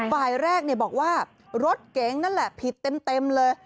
ฝ่ายแรกบอกว่ารถเก๋งนั่นแหละผิดเต็มเลย